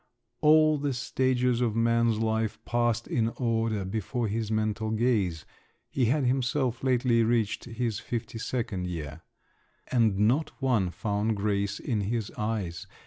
All the stages of man's life passed in order before his mental gaze (he had himself lately reached his fifty second year), and not one found grace in his eyes.